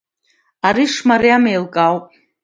Ари шымариам еилкаауп.